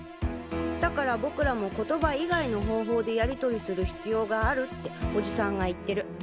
だから僕らも言葉以外の方法でやりとりする必要があるってオジサンが言ってる」。